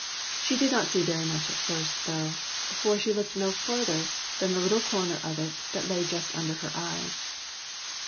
She did not see very much at first, though, for she looked no further than the little corner of it that lay just under her eyes.